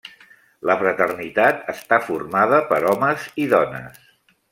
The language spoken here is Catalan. La fraternitat està formada per homes i dones.